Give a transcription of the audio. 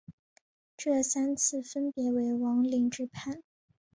这三次分别为王凌之叛。